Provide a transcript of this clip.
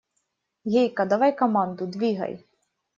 Гейка, давай команду, двигай!